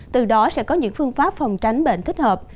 từ đó sẽ có những phương pháp phòng tránh bệnh thích hợp